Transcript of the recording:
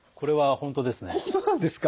本当なんですか。